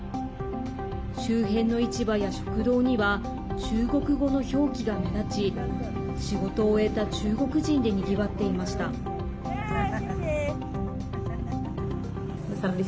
周辺の市場や食堂には中国語の表記が目立ち仕事を終えた中国人でにぎわっていました。